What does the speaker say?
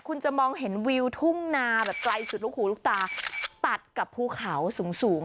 คุณจะมองเห็นวิวทุ่งนาแบบไกลสุดลูกหูลูกตาตัดกับภูเขาสูงสูง